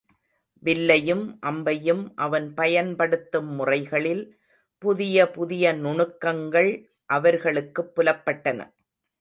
வில்லையும் அம்பையும் அவன் பயன்படுத்தும் முறைகளில் புதிய புதிய நுணுக்கங்கள் அவர்களுக்குப் புலப்பட்டன.